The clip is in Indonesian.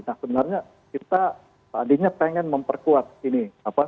nah sebenarnya kita tadinya pengen memperkuat ini